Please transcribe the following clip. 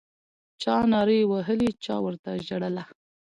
چا نارې وهلې چا ورته ژړله